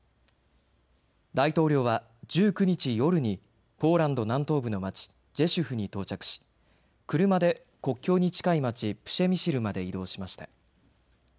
大統領は１９日夜にポーランド南東部の街、ジェシュフに到着し車で国境に近い街、プシェミシルまで移動しました。